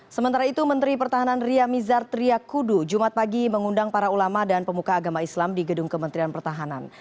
sementara itu menteri pertahanan ria mizar triakudu jumat pagi mengundang para ulama dan pemuka agama islam di gedung kementerian pertahanan